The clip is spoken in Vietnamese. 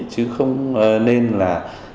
chứ không nên là